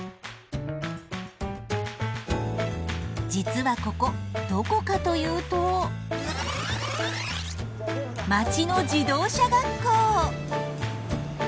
実はここどこかというと町の自動車学校！